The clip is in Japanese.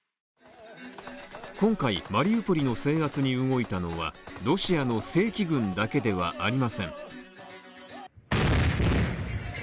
今回、マリウポリの制圧に動いたのは、ロシアの正規軍だけではありません。